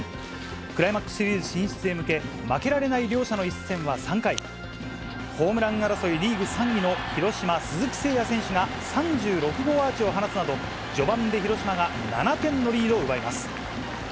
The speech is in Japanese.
クライマックスシリーズ進出へ向け、負けられない両者の一戦は３回、ホームラン争いリーグ３位の広島、鈴木誠也選手が、３６号アーチを放つなど、序盤で広島が７点のリードを奪います。